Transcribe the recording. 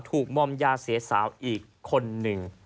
มอมยาเสียสาวอีกคนนึง